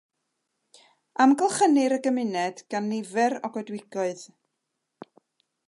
Amgylchir y gymuned gan nifer o goedwigoedd.